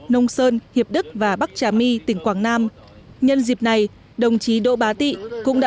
nông sơn hiệp đức và bắc trà my tỉnh quảng nam nhân dịp này đồng chí đỗ bá tị cũng đã